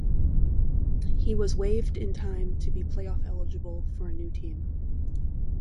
He was waived in time to be playoff-eligible for a new team.